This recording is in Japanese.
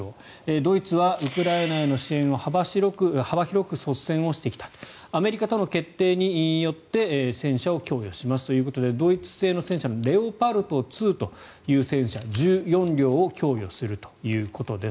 ドイツはウクライナへの支援を幅広く率先をしてきたアメリカとの決定によって戦車を供与しますということでドイツ製の戦車のレオパルト２という戦車１４両を供与するということです。